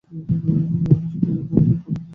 আমাদের শুধু চিরন্তন জীবনের জলাশয়টা খুঁজে বের করতে হবে।